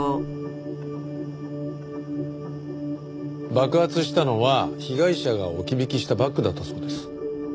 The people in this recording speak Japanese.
爆発したのは被害者が置き引きしたバッグだったそうです。